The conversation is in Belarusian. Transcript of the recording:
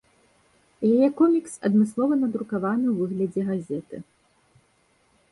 Яе комікс адмыслова надрукаваны ў выглядзе газеты.